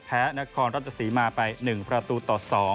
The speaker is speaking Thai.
แพ้นัทฮอนรัฐศรีมาไป๑ประตูต่อ๒